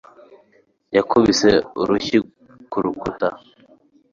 yakubise urushyi ku rukuta